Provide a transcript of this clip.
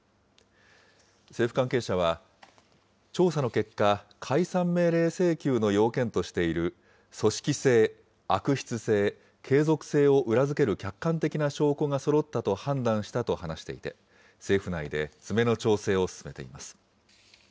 政府関係者は、調査の結果、解散命令請求の要件としている組織性、悪質性、継続性を裏付ける客観的な証拠がそろったと判断したと話していて、政府内で詰めの調整を進めています。